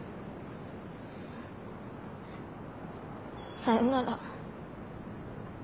さよなら。